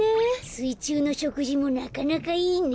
すいちゅうのしょくじもなかなかいいね。